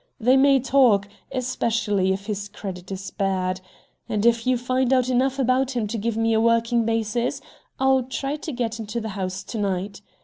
They may talk, especially if his credit is bad. And, if you find out enough about him to give me a working basis, I'll try to get into the house to night.